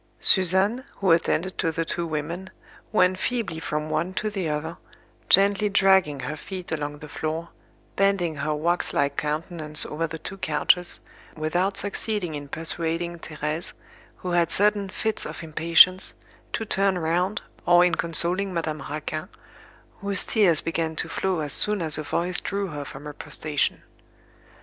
Suzanne, who attended to the two women, went feebly from one to the other, gently dragging her feet along the floor, bending her wax like countenance over the two couches, without succeeding in persuading Thérèse, who had sudden fits of impatience, to turn round, or in consoling Madame Raquin, whose tears began to flow as soon as a voice drew her from her prostration.